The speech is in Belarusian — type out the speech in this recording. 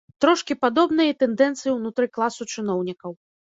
Трошкі падобныя і тэндэнцыі ўнутры класу чыноўнікаў.